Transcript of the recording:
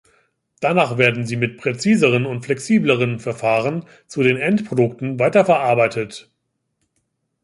Danach werden sie mit präziseren und flexibleren Verfahren zu den Endprodukten weiterverarbeitet.